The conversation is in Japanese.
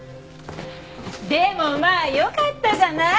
でもまあよかったじゃない？